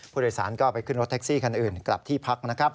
ผู้โดยสารก็ไปขึ้นรถแท็กซี่คันอื่นกลับที่พักนะครับ